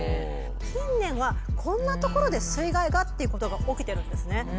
近年はこんな所で水害が？っていうことが起きてるんですね。